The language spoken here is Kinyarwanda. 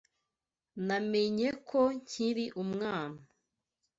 Namenye ko nkiri umwana.